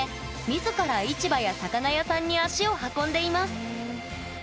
自ら市場や魚屋さんに足を運んでいます